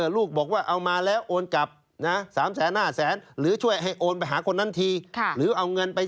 ลูกบอกว่าเอามาแล้วโอนกลับ๓๐๐๕๐๐หรือช่วยโอนไปหาคนนั้นที